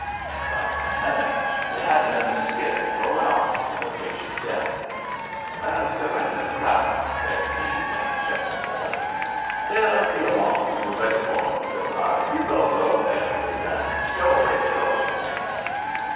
In about ten minutes we had him in the skiff rowing off to the Patience M. "Where's the rest of the crowd?" says he, when he stepped aboard. "They'll be along when we're ready for 'em," says I. "You go below there, will you, and stow away the coats and things."